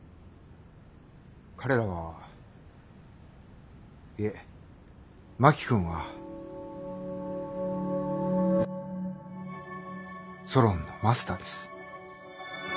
彼らはいえ真木君はソロンのマスターです。